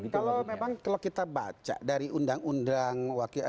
kalau memang kalau kita baca dari undang undang